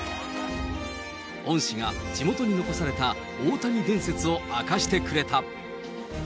恩師が地元に残された大谷伝説を明かしてくれた。